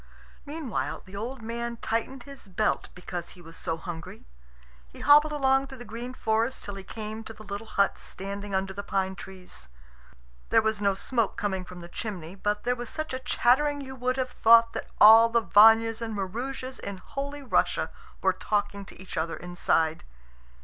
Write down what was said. Meanwhile the old man tightened his belt, because he was so hungry. He hobbled along through the green forest till he came to the little hut standing under the pine trees. There was no smoke coming from the chimney, but there was such a chattering you would have thought that all the Vanyas and Maroosias in Holy Russia were talking to each other inside.